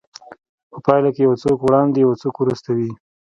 په پايله کې يو څوک وړاندې او يو څوک وروسته وي.